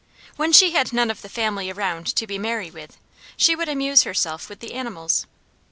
When she had none of the family around to be merry with, she would amuse herself with the animals.